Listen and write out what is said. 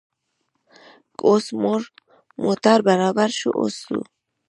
که اوس موټر برابر شو، اوس ځو.